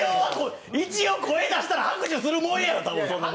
一応、声出したら拍手するもんやろ！